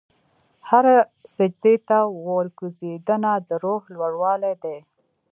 هره سجدې ته ورکوځېدنه، د روح لوړوالی دی.